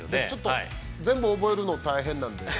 全部覚えるの大変なんで。